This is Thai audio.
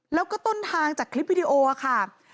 แล้วก็ต้นทางจากคลิปวิดีโอค่ะ